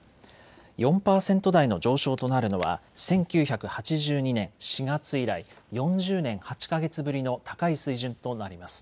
４％台の上昇となるのは１９８２年４月以来、４０年８か月ぶりの高い水準となります。